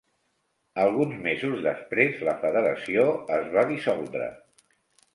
Alguns mesos després, la federació es va dissoldre.